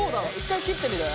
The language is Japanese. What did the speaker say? １回切ってみる？